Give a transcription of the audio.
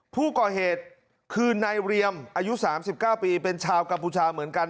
ผู้ก่อเหตุคือนายเรียมอายุ๓๙ปีเป็นชาวกัมพูชาเหมือนกัน